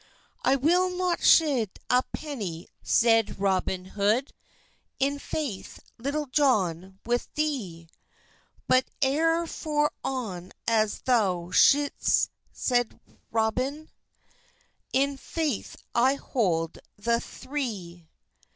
"I wil not shete a peny," seyde Robyn Hode, "In feith, Litulle Johne, with thee, But euer for on as thou shetes," seid Robyn, "In feith I holde the thre."